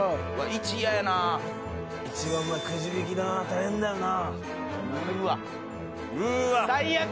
１、嫌やな１番はくじ引きだな大変だよな。